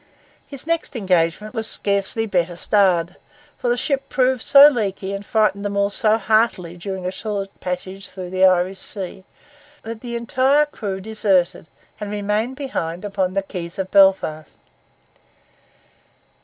His next engagement was scarcely better starred; for the ship proved so leaky, and frightened them all so heartily during a short passage through the Irish Sea, that the entire crew deserted and remained behind upon the quays of Belfast.